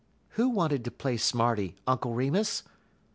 "Who wanted to play smarty, Uncle Remus?"